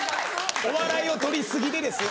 お笑いを取り過ぎでですよ